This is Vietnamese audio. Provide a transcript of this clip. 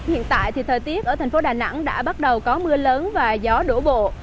hiện tại thì thời tiết ở thành phố đà nẵng đã bắt đầu có mưa lớn và gió đổ bộ